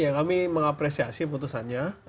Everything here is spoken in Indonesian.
ya kami mengapresiasi keputusannya